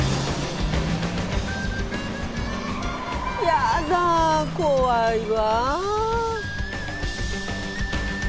やだ怖いわ。